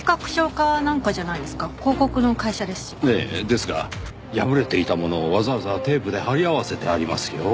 ですが破れていたものをわざわざテープで貼り合わせてありますよ。